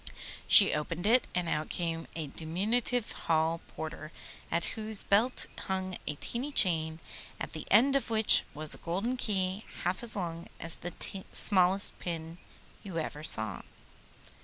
She opened it, and out came a diminutive hall porter at whose belt hung a tiny chain, at the end of which was a golden key half as long as the smallest pin you ever saw.